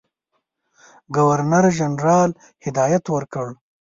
ګورنرجنرال هدایت ورکړ.